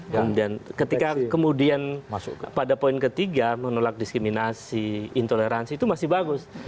kemudian ketika kemudian pada poin ketiga menolak diskriminasi intoleransi itu masih bagus